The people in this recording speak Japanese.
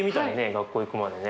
学校行くまでね。